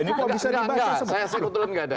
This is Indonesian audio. ini kok bisa dibaca